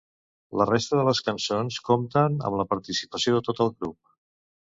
La resta de les cançons compten amb la participació de tot el grup.